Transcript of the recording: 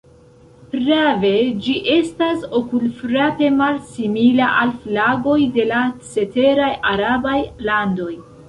Prave, ĝi estas okulfrape malsimila al flagoj de la ceteraj arabaj landoj.